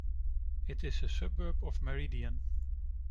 It is a suburb of Meridian.